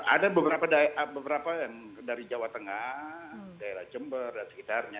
ada beberapa yang dari jawa tengah daerah jember dan sekitarnya